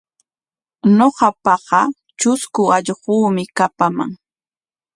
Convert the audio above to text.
Ñuqapaqa trusku allquumi kapaman.